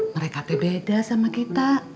mereka teh beda sama kita